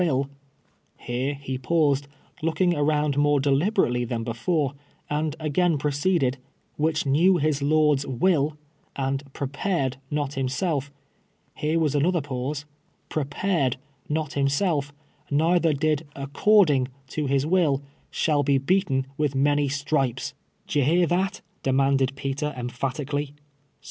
v7/," — here he paused, lookluL^ around more deliberately than be fore, and again proceeded — "which knew his lord's iv'dl, and jjrejxi red not himself" — here was another pause —'•'• jprc pared not himself, neither did according to his will, shall l)e beaten with many dripc^P " D'ye hear that \" demanded Peter, emphatically.